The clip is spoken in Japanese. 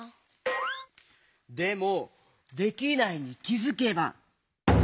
でも「できないに気づけば」？